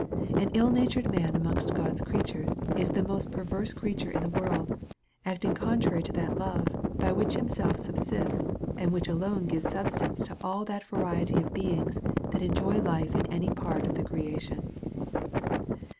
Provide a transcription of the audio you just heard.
An ill natured man amongst God's creatures is the most perverse creature in the world, acting contrary to that love, by which himself subsists, and which alone gives subsistence to all that variety of beings, that enjoy life in any part of the creation.